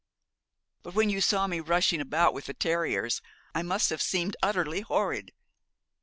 'But when you saw me rushing about with the terriers I must have seemed utterly horrid.'